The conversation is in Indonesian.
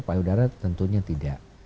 payudara tentunya tidak